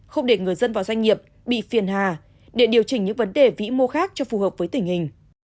không để người dân và doanh nghiệp bị phiền hà để điều chỉnh những vấn đề vĩ mô khác cho phù hợp với tình hình